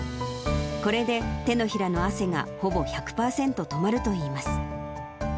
これで手のひらの汗がほぼ１００％止まるといいます。